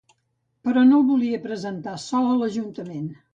Però no el volia presentar sol a Ajuntament